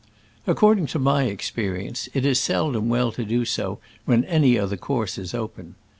Ac cording to my experience, it is seldom well to do so when any other course is open.